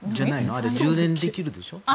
あれ、充電できるでしょ？